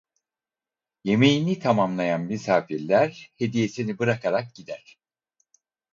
Yemeğini tamamlayan misafirler hediyesini bırakarak gider.